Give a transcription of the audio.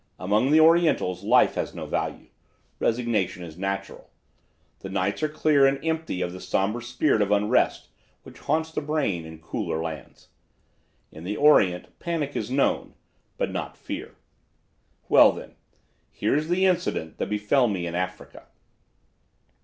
Among the Orientals life has no value; resignation is natural. The nights are clear and empty of the somber spirit of unrest which haunts the brain in cooler lands. In the Orient panic is known, but not fear. "Well, then! Here is the incident that befell me in Africa.